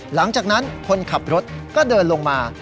หลังจากนั้นคนขับรถก็เดินลงมา